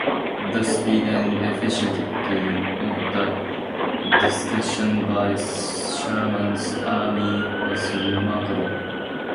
The speed and efficiency of the destruction by Sherman's army was remarkable.